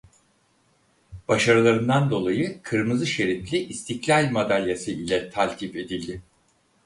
Başarılarından dolayı Kırmızı şeritli İstiklâl Madalyası ile taltif edildi.